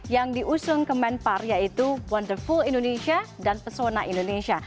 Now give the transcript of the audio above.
yang diusung kemenpar yaitu wonderful indonesia dan pesona indonesia